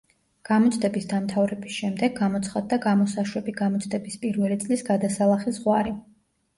გამოცდების დამთავრების შემდეგ გამოცხადდა გამოსაშვები გამოცდების პირველი წლის გადასალახი ზღვარი.